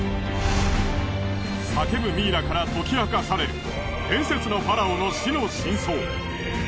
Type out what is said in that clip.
叫ぶミイラから解き明かされる伝説のファラオの死の真相。